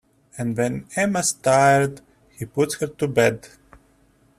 And when Emma's tired, he puts her to bed.